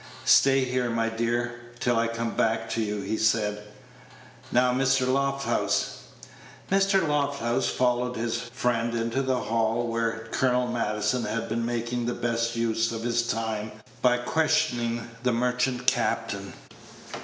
"Stay here, my dear, till I come back to you," he said. "Now, Lofthouse." Mr. Lofthouse followed his friend into the hall, where Colonel Maddison had been making the best use of his time by questioning the merchant captain.